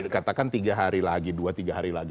katakan tiga hari lagi dua tiga hari lagi